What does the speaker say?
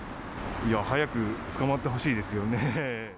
早く捕まってほしいですよね。